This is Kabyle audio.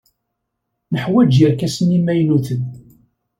Neḥwaj irkasen imaynuten.